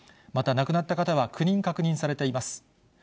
また、亡くなった方は９人確認されています。